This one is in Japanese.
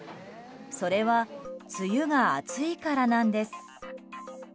それは梅雨が暑いからなんです。